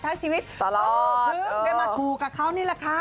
ได้มาถูกกับเขานี่ละค่ะ